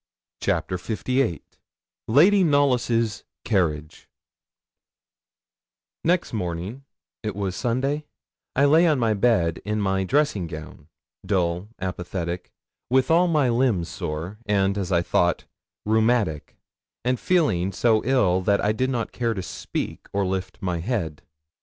CHAPTER LVIII LADY KNOLLYS' CARRIAGE Next morning it was Sunday I lay on my bed in my dressing gown, dull, apathetic, with all my limbs sore, and, as I thought, rheumatic, and feeling so ill that I did not care to speak or lift my head.